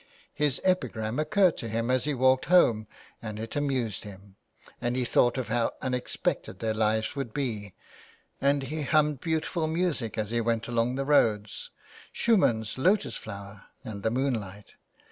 His epigram occurred to him as he walked home and it amused him, and he thought of how unexpected their lives would be, and he hummed beautiful music as he went 322 THE WILD GOOSE. along the roads, Schumann's Lotus Flozver and The Moonlight.